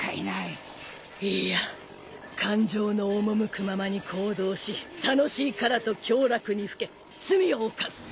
いいや感情の赴くままに行動し楽しいからと享楽にふけ罪を犯す。